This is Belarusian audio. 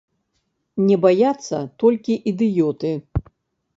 Не баяцца толькі ідыёты.